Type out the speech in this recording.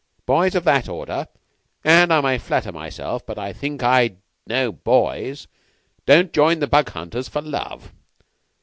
Boys of that order and I may flatter myself, but I think I know boys don't join the Bug hunters for love.